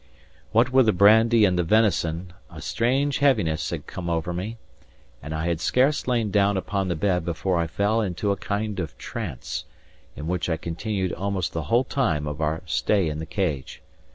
What with the brandy and the venison, a strange heaviness had come over me; and I had scarce lain down upon the bed before I fell into a kind of trance, in which I continued almost the whole time of our stay in the Cage.